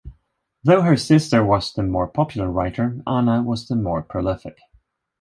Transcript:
Though her sister was the more popular writer, Anna was the more prolific.